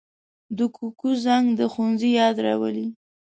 د کوکو زنګ د ښوونځي یاد راولي